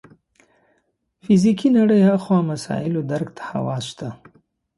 فزیکي نړۍ هاخوا مسایلو درک ته حواس شته.